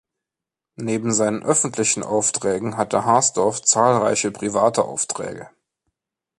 Neben seinen öffentlichen Aufträgen hatte Harsdorff zahlreiche private Aufträge.